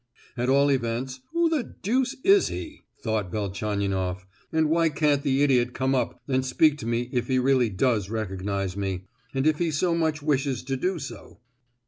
"At all events, who the deuce is he?" thought Velchaninoff, "and why can't the idiot come up and speak to me if he really does recognise me; and if he so much wishes to do so?"